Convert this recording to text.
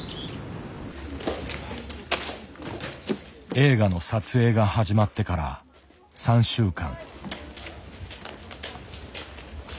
映画の撮影が始まってから３週間。